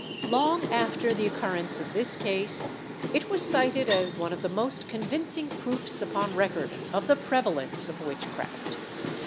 Long after the occurrence of this case, it was cited as one of the most convincing proofs upon record of the prevalence of witchcraft.